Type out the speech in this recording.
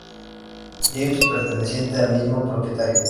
James", perteneciente al mismo propietario.